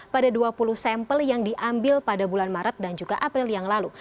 pada dua puluh sampel yang diambil pada bulan maret dan juga april yang lalu